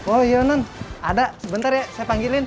oh iya non ada sebentar ya saya panggilin